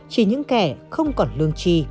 chỉ những kẻ không còn lương trì